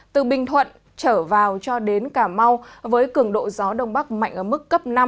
từ bình thuận trở vào cho đến cà mau với cường độ gió đông bắc mạnh ở mức cấp năm